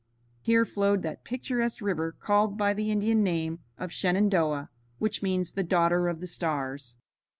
Here flowed that picturesque river called by the Indian name of Shenandoah, which means "the Daughter of the Stars."